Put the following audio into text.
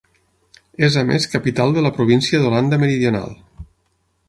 És a més capital de la província d'Holanda Meridional.